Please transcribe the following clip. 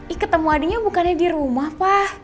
eh ketemu adiknya bukannya di rumah pak